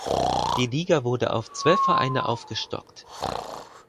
Die Liga wurde auf zwölf Vereine aufgestockt.